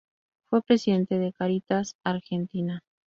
Fue presidente de Cáritas Argentina.